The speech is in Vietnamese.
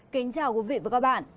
kính chào quý vị và các bạn